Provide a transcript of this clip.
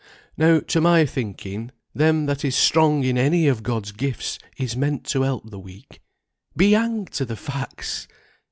Now to my thinking, them that is strong in any of God's gifts is meant to help the weak, be hanged to the facts!